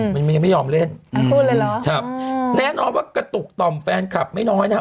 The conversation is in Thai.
มันยังไม่ยอมเล่นแน่นอนว่ากระตุกต่อมแฟนคลับไม่น้อยนะฮะ